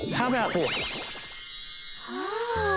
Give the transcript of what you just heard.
ああ！